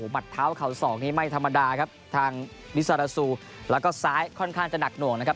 มัดเท้าเข่าศอกนี้ไม่ธรรมดาครับทางมิซาราซูแล้วก็ซ้ายค่อนข้างจะหนักหน่วงนะครับ